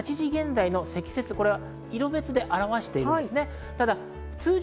８時現在の積雪、色別に表しています。